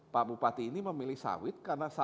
pak bupati ini memilih sawit